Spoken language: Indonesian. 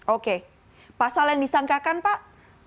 oke pasal yang disangkakan pak